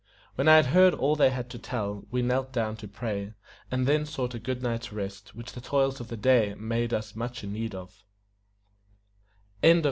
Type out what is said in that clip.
When I had heard all they had to tell, we knelt down to pray, and then sought a good night's rest, which the toils of the day made us much in need of.